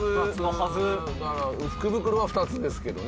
長谷川：「福袋は２つですけどね